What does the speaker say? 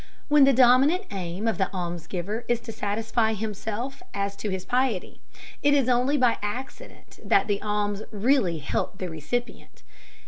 When the dominant aim of the almsgiver is to satisfy himself as to his piety, it is only by accident that the alms really help the recipient.